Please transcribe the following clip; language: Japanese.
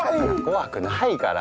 怖くないから。